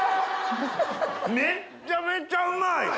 めっちゃめちゃうまい！